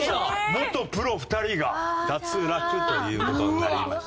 元プロ２人が脱落という事になりました。